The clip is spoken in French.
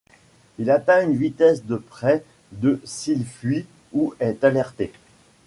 Il atteint une vitesse de près de s'il fuit ou est alerté.